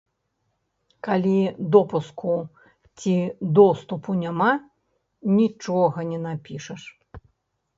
Калі допуску ці доступу няма, нічога не напішаш.